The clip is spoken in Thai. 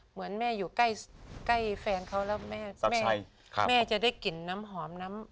เหมือนแม่อยู่ใกล้แฟนเขาแล้วแม่จะได้กลิ่นน้ำหอมน้ำ